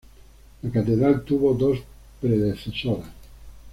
La catedral tuvo dos predecesoras.